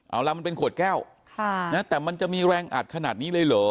เอาล่ะมันเป็นขวดแก้วแต่มันจะมีแรงอัดขนาดนี้เลยเหรอ